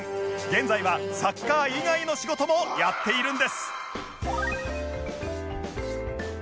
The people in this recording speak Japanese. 現在はサッカー以外の仕事もやっているんです